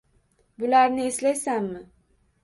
Bularni eslaysanmi?